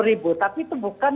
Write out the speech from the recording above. ribu tapi itu bukan